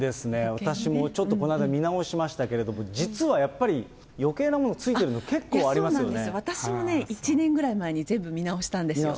私もちょっとこの間、見直しましたけれども、実はやっぱり、余計なもの付いてるの、そうなんですよ、私もね、１年ぐらい前に全部見直したんですよ。